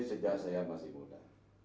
sejak saya masih muda